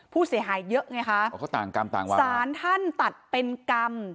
ผู้เสียหายเยอะไงคะอ๋อเขาต่างกรรมต่างวันสารท่านตัดเป็นกรรม